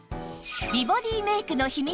美ボディーメイクの秘密